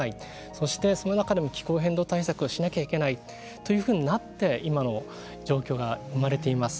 そして、その中でも気候変動対策をしなきゃいけないというふうになって今の状況が生まれています。